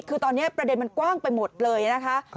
คือตอนนี้ประเด็นมันกว้างไปหมดเลยนะคะ